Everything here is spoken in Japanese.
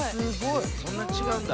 そんな違うんだ。